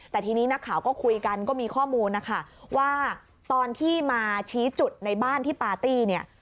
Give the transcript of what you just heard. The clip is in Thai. แต่ทีนี้นักข่าวก็คุยกันก็มีข้อมูลนะคะว่าตอนที่มาชี้จุดในบ้านที่ปาร์ตี้เนี่ย